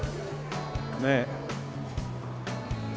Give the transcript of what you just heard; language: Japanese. ねえ。